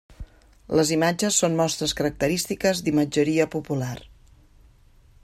Les imatges són mostres característiques d'imatgeria popular.